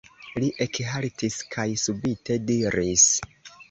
Li ekhaltis kaj subite diris: